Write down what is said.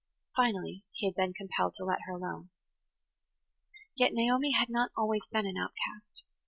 Finally, he had been compelled to let her alone. [Page 103] Yet Naomi had not always been an outcast.